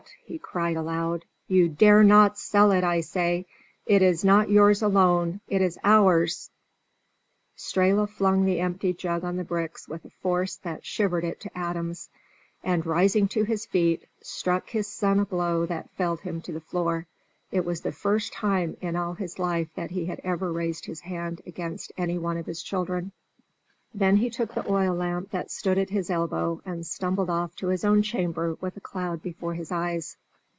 he cried, aloud, "you dare not sell it, I say! It is not yours alone; it is ours " Strehla flung the emptied jug on the bricks with a force that shivered it to atoms, and, rising to his feet, struck his son a blow that felled him to the floor. It was the first time in all his life that he had ever raised his hand against any one of his children. Then he took the oil lamp that stood at his elbow and stumbled off to his own chamber with a cloud before his eyes.